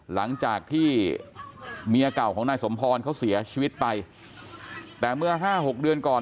หลังจากที่เมียเก่าของนายสมพรเขาเสียชีวิตไปแต่เมื่อห้าหกเดือนก่อน